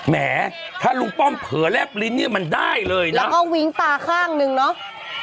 แหมถ้าลุงป้อมเผลอแลบลิ้นเนี่ยมันได้เลยนะแล้วก็วิ้งตาข้างนึงเนอะ